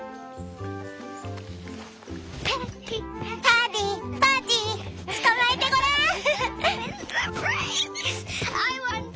パディパディつかまえてごらん！